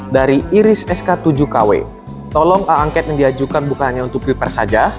dari iris sk tujuh kw tolong angket yang diajukan bukan hanya untuk pilpres saja